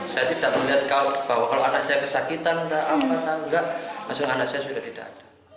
saya tidak melihat kalau anak saya kesakitan tidak apa apa langsung anak saya sudah tidak ada